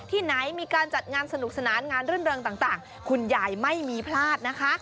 ที่ไหนมีการจัดงานสนุกสนานงานรื่นเริงต่างคุณยายไม่มีพลาดนะคะ